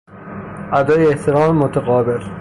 ادای احترام متقابل